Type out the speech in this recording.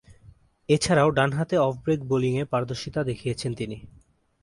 এছাড়াও, ডানহাতে off break বোলিংয়ে পারদর্শীতা দেখিয়েছেন তিনি।